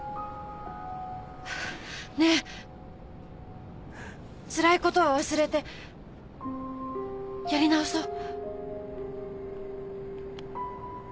ねえつらいことは忘れてやり直そう